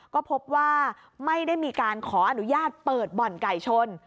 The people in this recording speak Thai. ก็พบว่าไม่ได้มีการขออนุญาตเปิดบ่อนไก่ชน